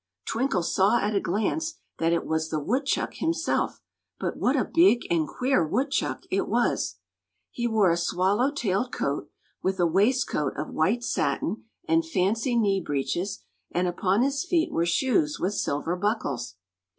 Twinkle saw at a glance that it was the woodchuck himself, but what a big and queer woodchuck it was! He wore a swallow tailed coat, with a waistcoat of white satin and fancy knee breeches, and upon his feet were shoes with silver buckles.